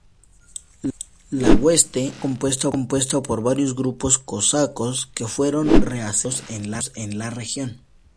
La hueste estaba compuesta por varios grupos cosacos que fueron reasentados en la región.